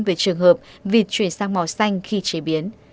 về trường hợp vịt chuyển sang màu xanh khi chế biến